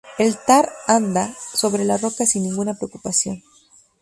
El tar anda sobre la roca sin ninguna preocupación.